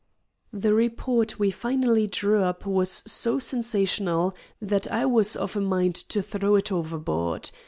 The report we finally drew up was so sensational that I was of a mind to throw it overboard.